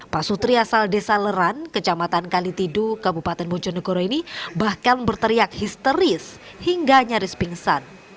pak sutri asal desa leran kecamatan kalitidu kabupaten bojonegoro ini bahkan berteriak histeris hingga nyaris pingsan